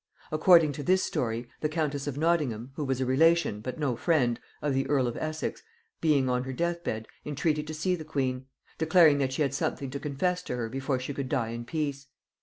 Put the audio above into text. According to this story, the countess of Nottingham, who was a relation, but no friend, of the earl of Essex, being on her death bed, entreated to see the queen; declaring that she had something to confess to her before she could die in peace.